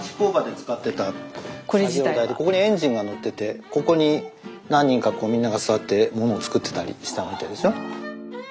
作業台でここにエンジンが載っててここに何人かこうみんなが座って物を作ってたりしたみたいですよ。